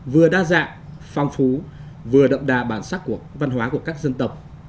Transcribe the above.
vừa đa dạng phong phú vừa đậm đà bản sắc của văn hóa của các dân tộc